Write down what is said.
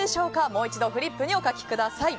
もう一度フリップにお書きください。